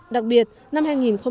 đặc biệt năm hai nghìn một mươi bảy